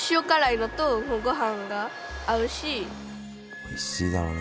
おいしいだろうね。